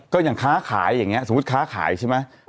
ก็อย่างค้าขายอย่างนี้สมมุติค้าขายใช่ไหม